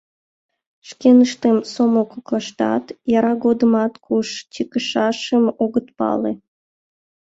Шкеныштым сомыл коклаштат, яра годымат куш чыкышашым огыт пале.